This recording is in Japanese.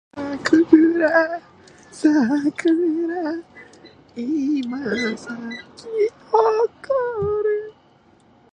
桜が咲いたね